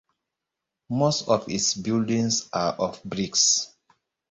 Most of its buildings are of bricks.